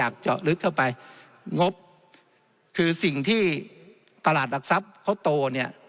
คือสิ่งที่ตลาดอักษับก็โตเนี่ย